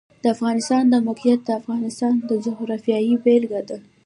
د افغانستان د موقعیت د افغانستان د جغرافیې بېلګه ده.